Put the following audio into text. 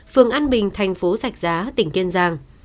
phường an bình thành phố sạch giá tỉnh kiên giang